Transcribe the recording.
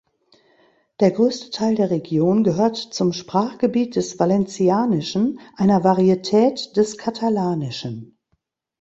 Der größte Teil der Region gehört zum Sprachgebiet des Valencianischen, einer Varietät des Katalanischen.